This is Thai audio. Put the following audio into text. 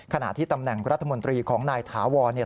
ขณะที่ตำแหน่งรัฐมนตรีของนายถาวรเนี่ย